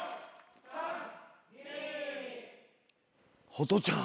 ホトちゃん。